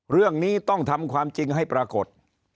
เรื่องนี้ต้องทำความจริงให้ปรากฏ